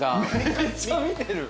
めっちゃ見てる。